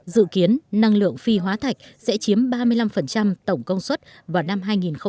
dự kiến năng lượng phi hóa thạch sẽ chiếm ba mươi năm tổng công suất vào năm hai nghìn hai mươi